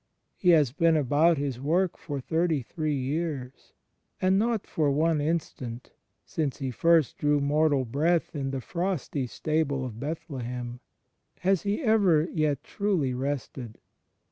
He has been about £Bs work for thirty three years; and not for one instant, since He first drew mortal breath in the frosty stable of Bethlehem, has He ever yet truly rested.